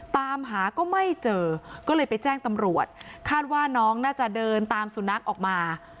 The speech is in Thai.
ตามหาก็ไม่เจอก็เลยไปแจ้งตำรวจคาดว่าน้องน่าจะเดินตามสุนัขออกมา